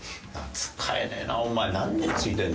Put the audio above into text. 使えねえなお前何年ついてるの？